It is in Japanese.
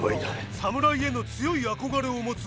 侍への強い憧れを持つイチ。